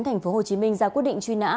thành phố hồ chí minh ra quyết định truy nã